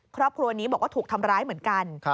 ครอบครัวนี้บอกว่าถูกทำร้ายเหมือนกัน